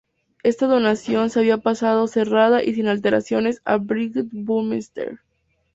Esta donación se había pasado "cerrada y sin alteraciones" a Brigitte Baumeister.